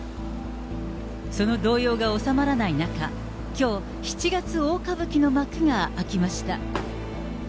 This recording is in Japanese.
その動揺が収まらない中、きょう、七月大歌舞伎の幕が開きました。